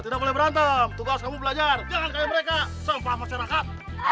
jangan kayak mereka sempa masyarakat